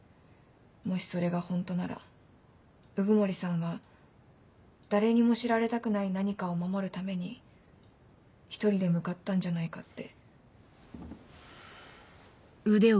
もしそれがホントなら鵜久森さんは誰にも知られたくない何かを守るために一人で向かったんじゃないかって。